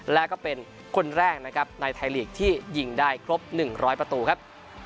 และก็เป็นคนแรกนะครับในไทยลีกที่ยิงได้ครบ๑๐๐ประตูครับ